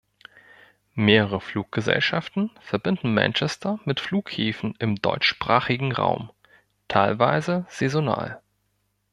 Mehrere Fluggesellschaften verbinden Manchester mit Flughäfen im deutschsprachigen Raum, teilweise saisonal.